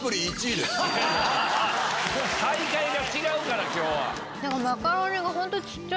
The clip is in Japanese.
大会が違うから今日は。